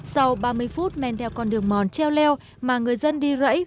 sau ba mươi phút men theo con đường mòn treo leo mà người dân đi rẫy